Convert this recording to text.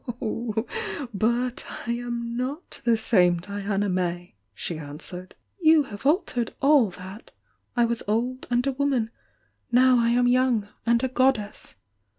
"Oh, but I am not the saici Diana May!" she answered. "You have altered all that. I was old, and a woman, — now I am young, and a goddess!"